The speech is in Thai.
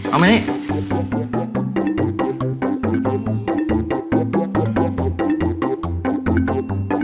เอามานี่